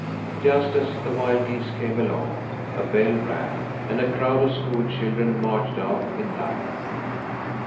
Just as the wild geese came along, a bell rang, and a crowd of school children marched out in line.